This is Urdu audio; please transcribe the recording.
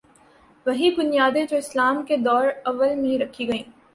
وہی بنیادیں جو اسلام کے دور اوّل میں رکھی گئیں۔